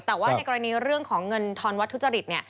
แต่ว่าในกรณีเรื่องของเงินทรวจทุจริต